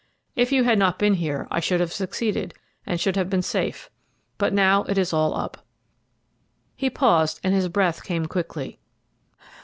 If you had not been here I should have succeeded, and should have been safe, but now it is all up." He paused, and his breath came quickly.